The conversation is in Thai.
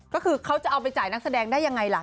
ก็คือเขาจะเอาไปจ่ายนักแสดงได้ยังไงล่ะ